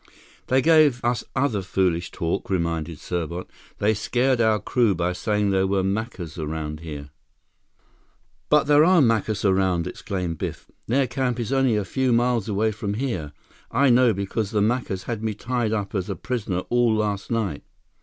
"They gave us other foolish talk," reminded Serbot. "They scared our crew by saying there were Macus around here." "But there are Macus around!" exclaimed Biff. "Their camp is only a few miles away from here. I know, because the Macus had me tied up as a prisoner all last night!"